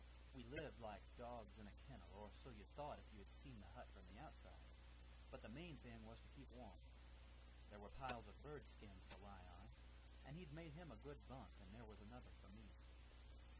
We lived like dogs in a kennel, or so you'd thought if you had seen the hut from the outside; but the main thing was to keep warm; there were piles of bird skins to lie on, and he'd made him a good bunk, and there was another for me.